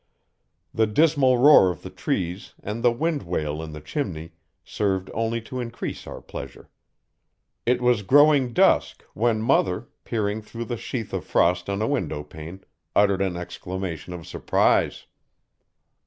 The dismal roar of the trees and the wind wail in the chimney served only to increase our pleasure. It was growing dusk when mother, peering through the sheath of frost on a window pane, uttered an exclamation of surprise.